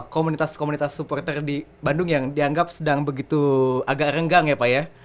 komunitas komunitas supporter di bandung yang dianggap sedang begitu agak renggang ya pak ya